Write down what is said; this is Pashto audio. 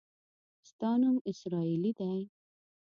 ستا نوم اسراییلي دی.